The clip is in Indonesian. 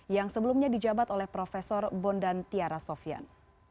yang sebelumnya dijabat oleh prof bondan tiara sofian